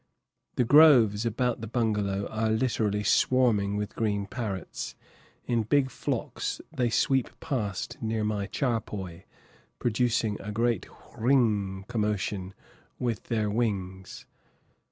The groves about the bungalow are literally swarming with green parrots; in big flocks they sweep past near my charpoy, producing a great wh r r r ring commotion with their wings.